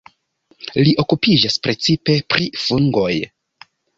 Li okupiĝas precipe pri fungoj.